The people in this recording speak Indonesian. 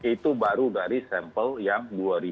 itu baru dari sampel yang dua enam ratus dua puluh delapan